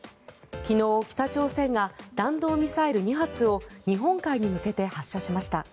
昨日、北朝鮮が弾道ミサイル２発を日本海に向けて発射しました。